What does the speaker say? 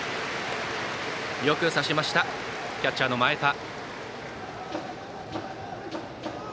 よく刺しましたキャッチャーの前田。